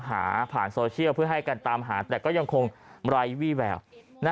ผ่านโซเชียลเพื่อให้กันตามหาแต่ก็ยังคงไร้วี่แวว